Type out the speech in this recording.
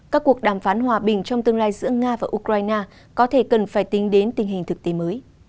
các cuộc đàm phán hòa bình trong tương lai giữa nga và ukraine có thể cần phải tính đến tình hình thực tế mới